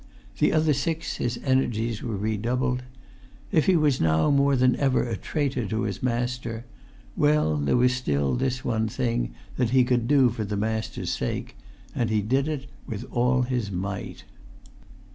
The other six, his energies were redoubled. If he was now more than ever a traitor to his Master, well, there was still this one thing that he could do for the Master's sake. And he did it with all his might.